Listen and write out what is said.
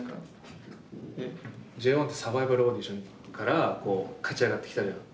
ＪＯ１ってサバイバルオーディションから勝ち上がってきたじゃん。